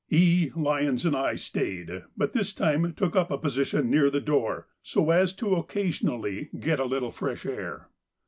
E., Lyons, and I stayed, but this time took up a position near the door so as to occasionally get a little fresh air.